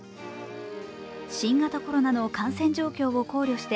新型コロナの感染状況を考慮して